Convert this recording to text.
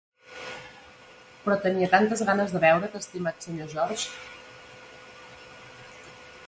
Però tenia tantes ganes de veure"t, estimat Sr. George.